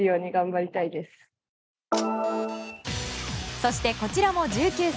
そして、こちらも１９歳。